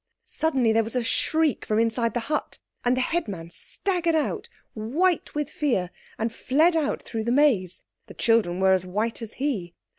Suddenly there was a shriek from inside the hut, and the headman staggered out white with fear and fled out through the maze. The children were as white as he.